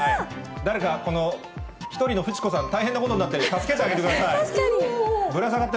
誰かこの、１人のフチ子さん大変なことになってる、助けてあげてください。